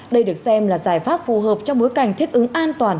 đây được xem là giải pháp phù hợp trong bối cảnh thích ứng an toàn